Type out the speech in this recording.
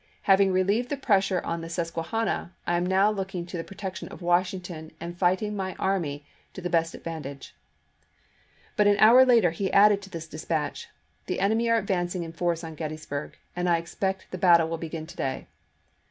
ing relieved the pressure on the Susquehanna, I am now looking to the protection of Washington and fighting my army to the best advantage." But an hour later he added to this dispatch :" The enemy are advancing in force on Gettysburg, and I expect the battle will begin to day."